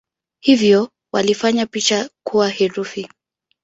Hivyo walifanya picha kuwa herufi.